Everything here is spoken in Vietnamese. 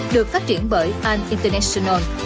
được phát triển bởi al international